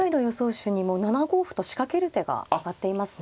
手にも７五歩と仕掛ける手が挙がっていますね。